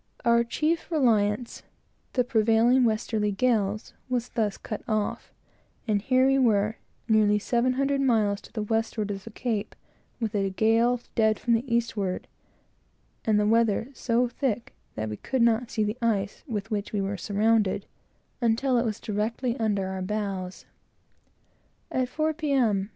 Our chief reliance, the prevailing westerly gales, was thus cut off; and here we were, nearly seven hundred miles to the westward of the Cape, with a gale dead from the eastward, and the weather so thick that we could not see the ice with which we were surrounded, until it was directly under our bows. At four, P. M.